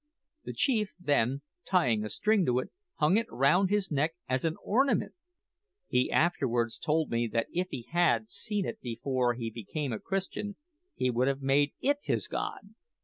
The chief then, tying a string to it, hung it round his neck as an ornament! He afterwards told me that if he had seen it before he became a Christian, he would have made it his god!"